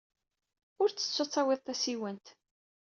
Ur ttettu ad tawyed tasiwant.